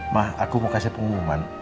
mah aku mau kasih pengumuman